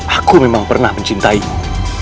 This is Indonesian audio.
aku memang pernah mencintaimu